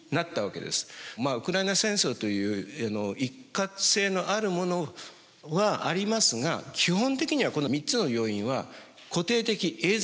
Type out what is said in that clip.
ウクライナ戦争という一過性のあるものはありますが基本的にはこの３つの要因は固定的永続的なものなんです。